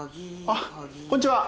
あっこんにちは。